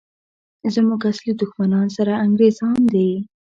زموږ اصلي دښمنان سره انګریزان دي!